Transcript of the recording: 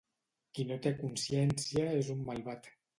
Qui no té consciència és un malvat.